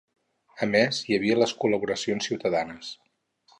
A més, hi havia les col·laboracions ciutadanes.